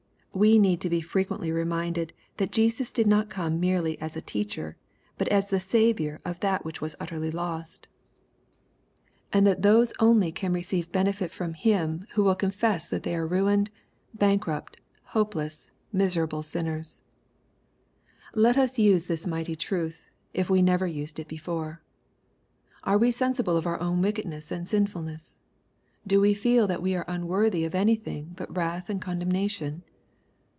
We need to be frequently reminded, that Jesus did not come merely as a teacher, but as the Saviour of that which was utterly lost^ and LUKE^ CHAP. V. 161 that those only can receive benefit from Him who will confess that they are ruined, bankrupt, hopeless, miser ble siuners. Let us use this mighty truth, if we never used it before. Are we sensible of our own wickedness and sinfulness ? Do we feel that we are unworthy of any thing but wrath and condemnation